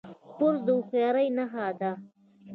کورس د هوښیارۍ نښه ده.